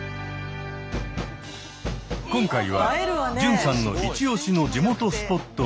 今回は純さんのイチオシの地元スポットを巡ります。